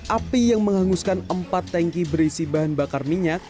api yang menghanguskan empat tanki berisi bahan bakar minyak